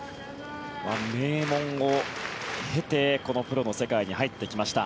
名門を経て、このプロの世界に入ってきました。